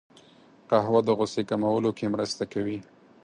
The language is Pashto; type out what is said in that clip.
قهوه د غوسې کمولو کې مرسته کوي